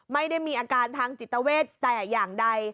ไม่ได้มีอาการทางจิตเวทแต่อย่างใด